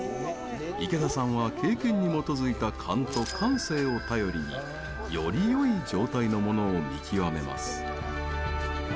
池田さんは経験に基づいた勘と感性を頼りによりよい状態のものを見極めます。